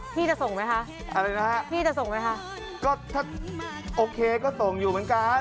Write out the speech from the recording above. จะส่งไหมคะอะไรนะฮะพี่จะส่งไหมคะก็ถ้าโอเคก็ส่งอยู่เหมือนกัน